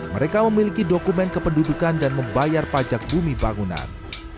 mereka memiliki dokumen kependudukan dan membayar pajak bumi bangunan